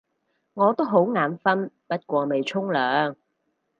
我都好眼瞓，不過未沖涼